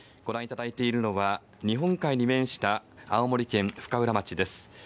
御覧いただいているのは、日本海に面した青森県深浦町です。